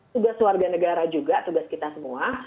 tugas warga negara juga tugas kita semua